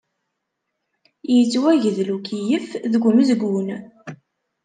Yettwagdel ukeyyef deg umezgun.